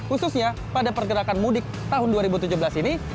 khususnya pada pergerakan mudik tahun dua ribu tujuh belas ini